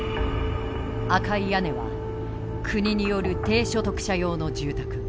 赤い屋根は国による低所得者用の住宅。